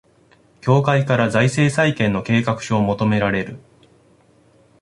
協会から財政再建の計画書を求められる